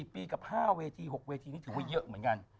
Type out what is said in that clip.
ปีกับ๕เวที๖เวทีนี่ถือว่าเยอะเหมือนกัน